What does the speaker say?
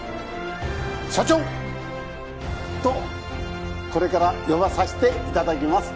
社長とこれから呼ばさせていただきます